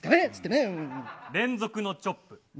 連続のチョップ。